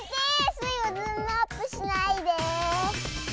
スイをズームアップしないで！